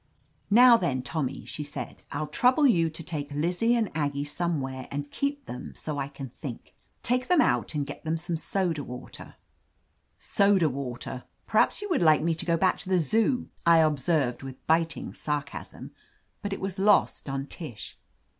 "Now then. Tommy," she said, "I'll trouble you to take Lizzie and Aggie somewhere and keep them, so I can think. Take them out and get them some soda water/' "Soda water! Perhaps you would like me to go back to the Zoo," I observed with biting sarcasm. But it was lost on Tish.